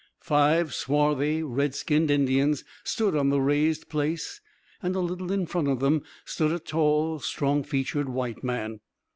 Five swarthy, red skinned Indians stood on the raised place, and a little in front of them stood a tall, strong featured white man.